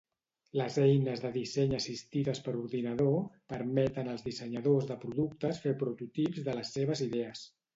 Les eines de disseny assistides per ordinador permeten als dissenyadors de productes fer prototips de les seves idees.